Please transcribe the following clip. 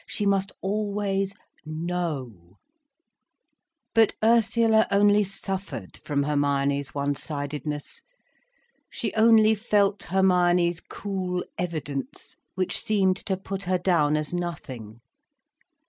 She must always know. But Ursula only suffered from Hermione's one sidedness. She only felt Hermione's cool evidence, which seemed to put her down as nothing.